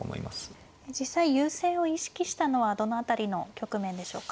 実際優勢を意識したのはどの辺りの局面でしょうか。